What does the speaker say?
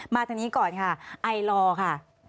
ทางนี้ก่อนค่ะไอลอร์ค่ะ